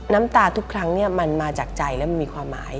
น้ำตาทุกครั้งมันมาจากใจและมันมีความหมาย